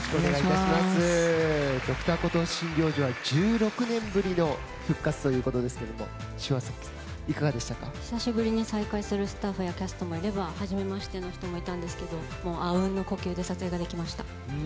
「Ｄｒ．コトー診療所」は１６年ぶりの復活ということですが久しぶりに再会するスタッフやキャストもいればはじめましての人もいたんですがあうんの呼吸で撮影ができました。